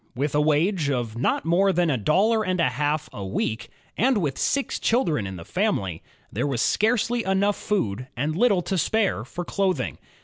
With a wage of not more than a dollar and a half a week, and with six children in the family, there was scarcely enough for food and Uttle to spare for clothing.